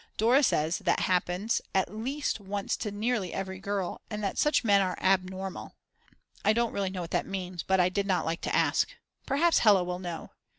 Dora says that happens at least once to nearly every girl; and that such men are "abnormal." I don't really know what that means, but I did not like to ask. Perhaps Hella will know.